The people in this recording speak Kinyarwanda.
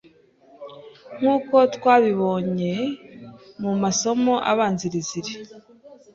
Nk'uko twabibonye mu masomo abanziriza iri,